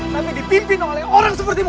kami dipimpin oleh orang sepertimu